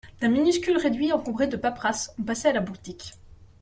D’un minuscule réduit encombré de paperasses, on passait à la boutique